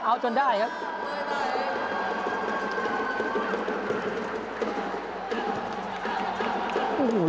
เอาจนได้ครับ